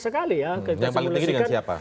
sekali ya yang paling tinggi dengan siapa